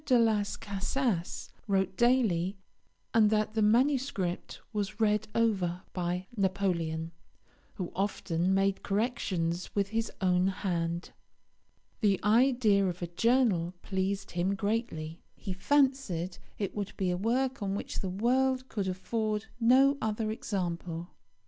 de Las Casas wrote daily, and that the manuscript was read over by Napoleon, who often made corrections with his own hand. The idea of a journal pleased him greatly. He fancied it would be a work of which the world could afford no other example.